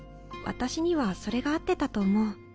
私にはそれが合ってたと思う。